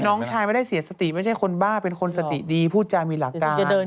น้องชายไม่ได้เสียสติไม่ใช่คนบ้าเป็นคนสติดีพูดจามีหลักการ